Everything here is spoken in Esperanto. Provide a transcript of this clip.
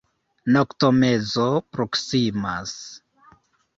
Noktomezo proksimas.